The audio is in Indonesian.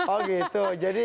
oh gitu jadi